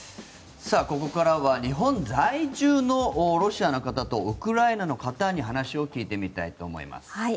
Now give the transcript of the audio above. ここからは日本在住のロシアの方とウクライナの方にお話を聞いてみたいと思います。